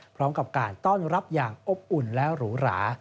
พร้อมกับการต้อนรับอย่างอบอุ่นและหรูหรา